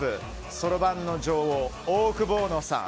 そろばんの女王オオクボーノさん。